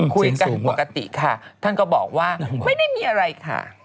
คุยกันปกติค่ะท่านก็บอกว่าไม่ได้มีอะไรค่ะ